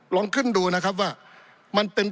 ปี๑เกณฑ์ทหารแสน๒